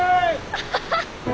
アハハッ！